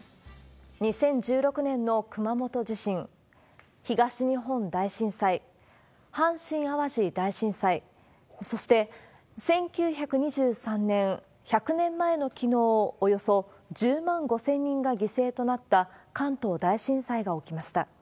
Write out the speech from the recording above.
２０１６年の熊本地震、東日本大震災、阪神・淡路大震災、そして１９２３年、１００年前のきのう、およそ１０万５０００人が犠牲となった関東大震災が起きました。